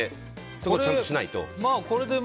これをちゃんとしないと。